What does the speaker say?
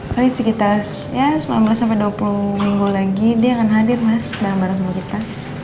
paling sekitar ya sembilan belas sampai dua puluh minggu lagi dia akan hadir mas bareng bareng sama kita